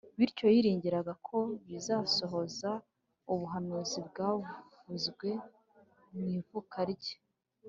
. Bityo yiringiraga ko bizasohoza ubuhanuzi bwavuzwe mw’ivuka rye